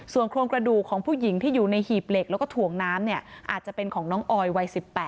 โครงกระดูกของผู้หญิงที่อยู่ในหีบเหล็กแล้วก็ถ่วงน้ำเนี่ยอาจจะเป็นของน้องออยวัย๑๘